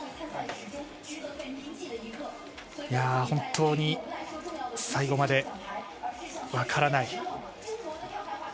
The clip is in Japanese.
本当に最後まで分からない。